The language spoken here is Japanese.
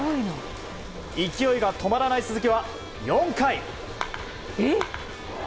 勢いが止まらない鈴木は４回。